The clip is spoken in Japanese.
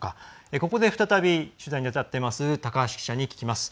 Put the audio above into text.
ここで再び取材に当たっています高橋記者に聞きます。